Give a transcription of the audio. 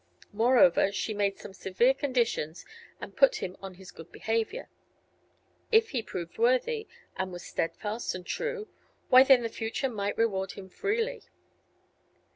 Moreover, she made some severe conditions and put him on his good behavior. If he proved worthy, and was steadfast and true, why then the future might reward him freely.